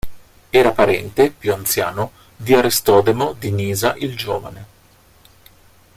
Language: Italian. Era parente, più anziano, di Aristodemo di Nisa il Giovane.